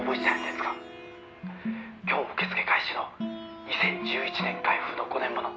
「今日受け付け開始の２０１１年開封の５年もの」